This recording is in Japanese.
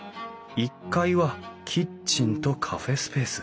１階はキッチンとカフェスペース。